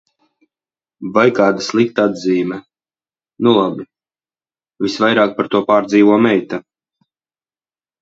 Vai kāda slikta atzīme. Nu, labi. Visvairāk par to pārdzīvo meita.